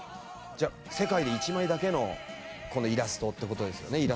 じゃあ世界で一枚だけのこのイラストって事ですよね。